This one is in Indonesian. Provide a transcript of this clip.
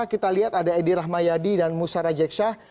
kita lihat ada edi rahmayadi dan musara jeksyah